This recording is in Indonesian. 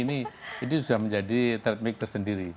ini sudah menjadi thread maker sendiri